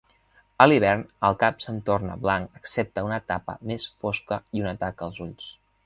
A l'hivern, el cap s'en torna blanc excepte un tapa més fosca i una taca als ulls.